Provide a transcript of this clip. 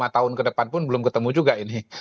lima tahun ke depan pun belum ketemu juga ini